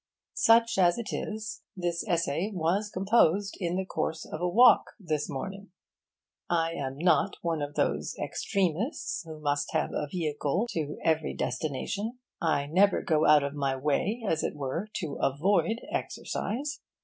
Such as it is, this essay was composed in the course of a walk, this morning. I am not one of those extremists who must have a vehicle to every destination. I never go out of my way, as it were, to avoid exercise.